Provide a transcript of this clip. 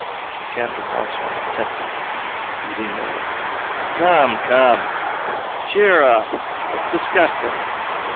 The Captain watched him intently. He leaned over. "Come, come," he said. "Cheer up! Let's discuss things."